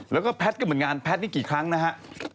แล้วก็แพทย์ก็เหมือนกันแพทย์นี่กี่ครั้งนะฮะ